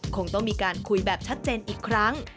คงต้องมีการคุยแบบชัดเจนอีกครั้ง